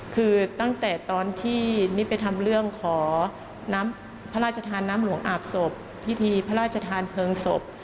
คือตั้งแต่ตอนที่นี่ไปทำเรื่องขอน้ำพระราชทานน้ำหลวงอาบศพพิธีพระราชทานเพลิงศพ